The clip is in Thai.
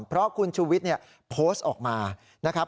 เพราะคุณชูวิทย์โพสต์ออกมานะครับ